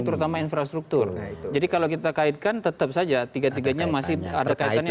terutama infrastruktur jadi kalau kita kaitkan tetap saja tiga tiganya masih ada kaitannya